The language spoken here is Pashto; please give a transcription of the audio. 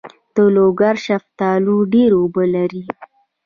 د لوګر شفتالو ډیر اوبه لري.